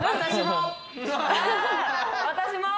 私も！